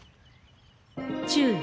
注意！